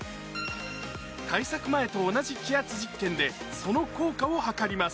対策前と同じ気圧実験で、その効果を測ります。